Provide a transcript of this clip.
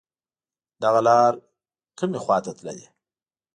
دغه لار کوم خواته تللی